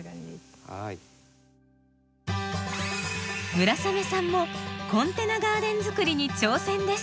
村雨さんもコンテナガーデンづくりに挑戦です。